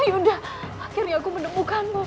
yuda akhirnya aku menemukanmu